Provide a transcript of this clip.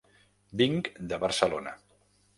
Vinc de Barcelona.